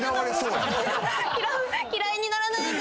嫌いにならないで。